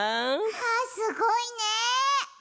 はあすごいね。